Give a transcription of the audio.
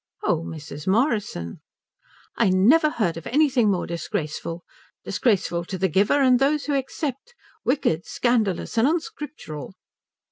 "Oh, Mrs. Morrison." "I never heard of anything more disgraceful. Disgraceful to the giver and to those who accept. Wicked, scandalous, and unscriptural."